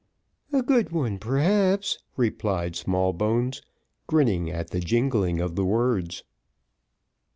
"A good one, perhaps," replied Smallbones, grinning at the jingling of the words.